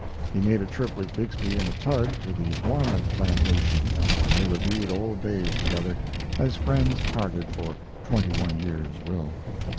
He made a trip with Bixby in a tug to the Warmouth plantation, and they reviewed old days together, as friends parted for twenty one years will.